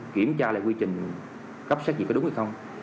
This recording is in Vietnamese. kiểm tra lại quy trình cấp xét việc có đúng hay không